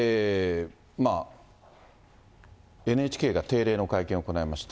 ＮＨＫが定例の会見を行いまして。